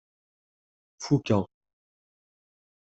Fukkeɣ.